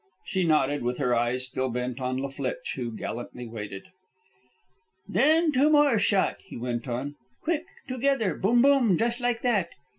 She nodded, with her eyes still bent on La Flitche, who gallantly waited. "Then two more shot," he went on, "quick, together, boom boom, just like that.